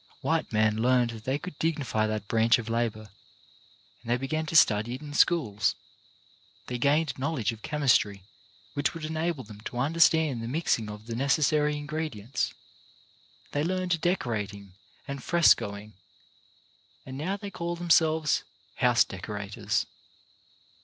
White men learned that they could dignify that branch of labour, and they began to study it in schools. They gained a knowledge of chemistry which would enable them to understand the mixing of the necessary ingredients ; they learned decorating and frescoing; and now they call themselves "house decorators."